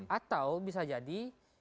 atau bisa jadi